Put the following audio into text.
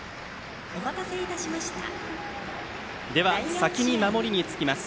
先に守りにつきます